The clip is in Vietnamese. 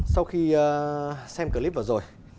sau khi xem clip vừa rồi